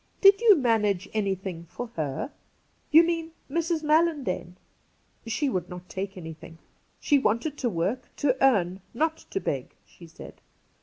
Did you manage anything for her ?' 'You mean Mrs. Mallandane. She would not take anything. She wanted to work; to earn, not to beg, she said.